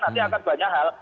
nanti akan banyak hal